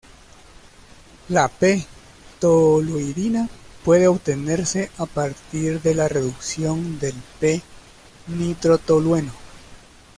La "p"-toluidina puede obtenerse a partir de la reducción del "p"-nitrotolueno.